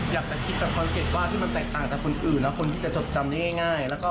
ยักษ์จะคิดคอนเกตว่าที่มันแตกต่างต่อคนอื่นแล้วคนที่จะจบจำน่ายง่ายแล้วก็